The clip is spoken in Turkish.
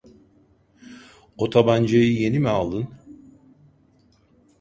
O tabancayı yeni mi aldın?